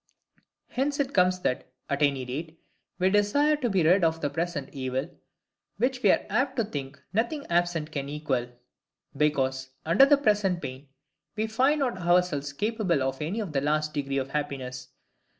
Hence it comes that, at any rate, we desire to be rid of the present evil, which we are apt to think nothing absent can equal; because, under the present pain, we find not ourselves capable of any the least degree of happiness.